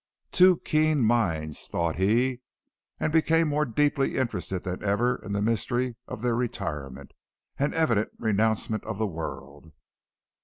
"Two keen minds," thought he, and became more deeply interested than ever in the mystery of their retirement, and evident renouncement of the world.